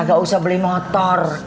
gak usah beli motor